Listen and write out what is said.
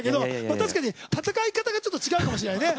たしかに戦い方がちょっと違うかもしれないね。